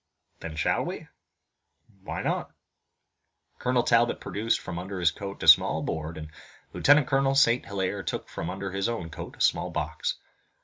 "Then shall we?" "Why not?" Colonel Talbot produced from under his coat a small board, and Lieutenant Colonel St. Hilaire took from under his own coat a small box.